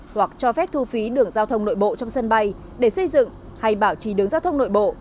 hoặc cho phép thu phí đường giao thông nội bộ trong sân bay để xây dựng hay bảo trì đường giao thông nội bộ